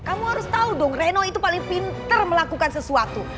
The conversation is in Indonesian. kamu harus tahu dong reno itu paling pinter melakukan sesuatu